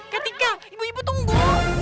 ketika ibu ibu tunggu